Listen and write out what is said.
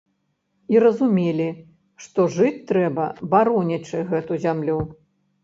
І разумелі, што жыць трэба, баронячы гэту зямлю.